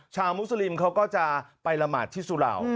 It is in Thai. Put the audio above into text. ชาวมุซลิมเขาก็จะไปรมัดที่สุลาว